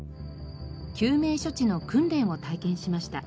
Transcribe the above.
救命処置の訓練を体験しました。